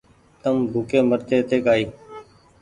تم ڀوڪي مرتي تي ڪآئي